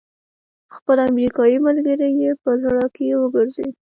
خپل امريکايي ملګری يې په زړه کې وګرځېد.